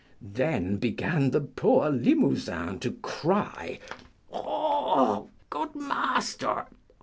Then began the poor Limousin to cry, Haw, gwid maaster!